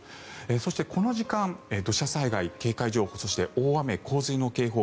そして、この時間土砂災害警戒情報そして大雨洪水の警報